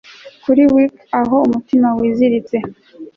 Kuri wick aho umutima wiziritse